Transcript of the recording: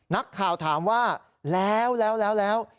นักข่าวถามว่าแล้ว